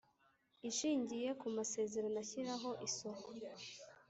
Ishingiye ku Masezerano ashyiraho Isoko